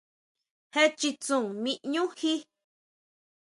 Jé chitsun ʼmí ʼñú jí.